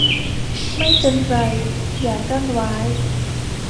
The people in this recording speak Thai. ไม่เป็นไรอย่ากลั้นไว้ !